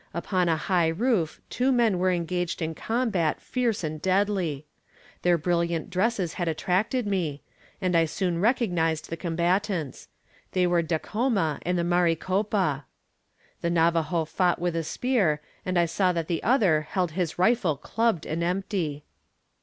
Upon a high roof two men were engaged in combat fierce and deadly. Their brilliant dresses had attracted me, and I soon recognised the combatants. They were Dacoma and the Maricopa! The Navajo fought with a spear, and I saw that the other held his rifle clubbed and empty.